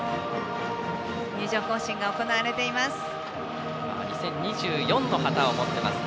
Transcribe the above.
入場行進が行われています。